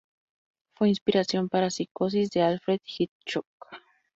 Fue inspiración para "Psicosis" de Alfred Hitchcock.